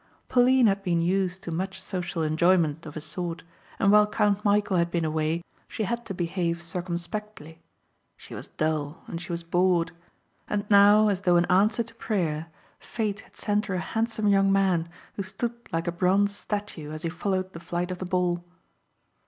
Pauline had been used to much social enjoyment of a sort and while Count Michæl had been away she had to behave circumspectly. She was dull and she was bored; and now, as though an answer to prayer, Fate had sent her a handsome young man who stood like a bronze statue as he followed the flight of the ball.